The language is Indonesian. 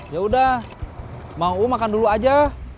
yaudah mau makan dulu aja